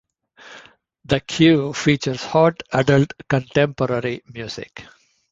The Q features hot adult contemporary music.